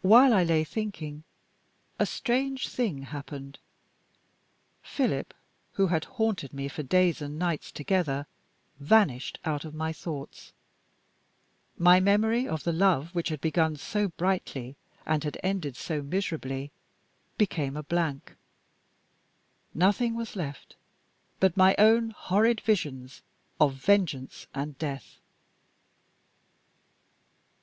While I lay thinking, a strange thing happened. Philip, who had haunted me for days and nights together, vanished out of my thoughts. My memory of the love which had begun so brightly, and had ended so miserably, became a blank. Nothing was left but my own horrid visions of vengeance and death.